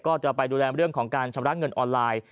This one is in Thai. ก็จะไปดูแลเรื่องของการชำระเงินออนไลน์